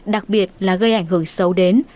đặc biệt là gây ảnh hưởng xấu đến